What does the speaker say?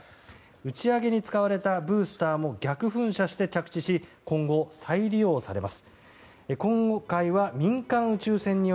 打ち上げに使われたブースターも逆噴射して着陸し今後、再利用されます。